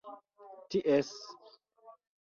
ties